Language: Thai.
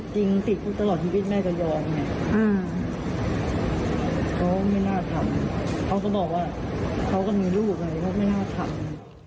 ไม่มีลูกเลยครับไม่น่าทำ